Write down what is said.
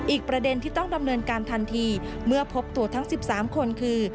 อีกประเด็นที่ต้องดำเนินการทันทีเมื่อพบตัวทั้ง๑๓คนคือ